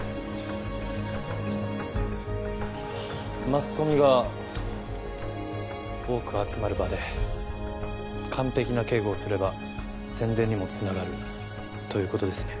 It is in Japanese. マスコミが多く集まる場で完璧な警護をすれば宣伝にも繋がるという事ですね。